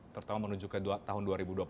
terutama menuju ke tahun dua ribu dua puluh satu